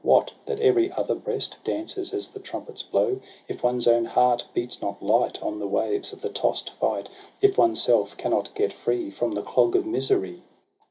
What, that every other breast Dances as the trumpets blow. If one's own heart beats not light On the waves of the toss'd fight, If oneself cannot get free From the clog of misery?